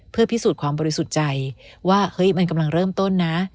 เพื่อพิสูจน์ความบริสุทธิ์ใจว่าเฮ้ยมันกำลังเริ่มต้นนะ